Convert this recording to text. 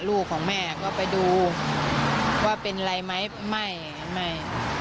ลูกของแม่ก็ไปดูว่าเป็นอะไรไหมไม่ไม่